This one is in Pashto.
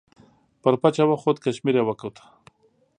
پر پچه وخوت کشمیر یې وکوت.